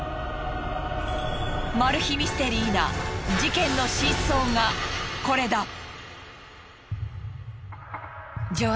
マル秘ミステリーな事件の真相がこれだ！